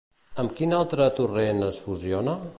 Amb quin altre torrent es fusiona?